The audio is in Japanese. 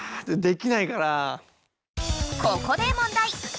ここで問題。